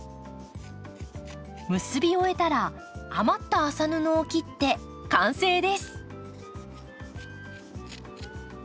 結び終えたら余った麻布を切って完成です。